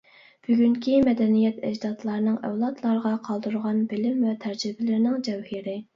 بۈگۈنكى مەدەنىيەت ئەجدادلارنىڭ ئەۋلادلارغا قالدۇرغان بىلىم ۋە تەجرىبىلىرىنىڭ جەۋھىرى.